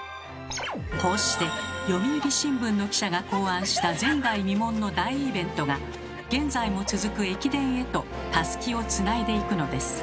こうして読売新聞の記者が考案した前代未聞の大イベントが現在も続く駅伝へとたすきをつないでいくのです。